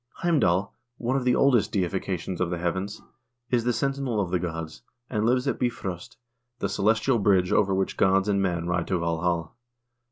Heimdall, one of the oldest deifications of the heavens, is the sen tinel of the gods, and lives at Bifrost,1 the celestial bridge over which gods and men ride to Valhal.